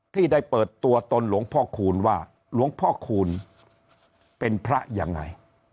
ที่ได้เปิดตัวตนหลวงพ่อคูณว่าหลวงพ่อคูณเป็นพระยังไง